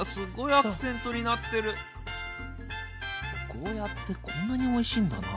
ゴーヤーってこんなにおいしいんだな。